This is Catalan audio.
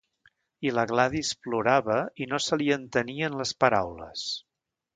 I la Gladys plorava i no se li entenien les paraules.